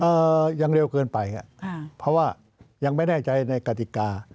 ยังเร็วเกินไปอ่ะค่ะเพราะว่ายังไม่แน่ใจในกติกา